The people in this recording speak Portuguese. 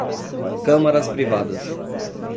câmaras privadas